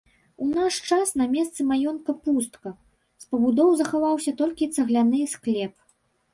У наш час на месцы маёнтка пустка, з пабудоў захаваўся толькі цагляны склеп.